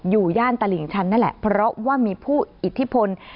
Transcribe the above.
ย่านตลิ่งชันนั่นแหละเพราะว่ามีผู้อิทธิพล